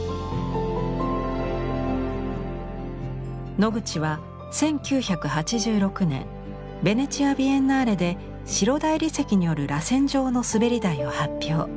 ノグチは１９８６年ベネチア・ビエンナーレで白大理石による螺旋状の滑り台を発表。